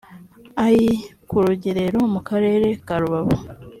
ai kurugerero mu akarere ka rubavu .